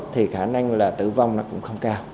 thì khả năng là tử vong nó cũng không cao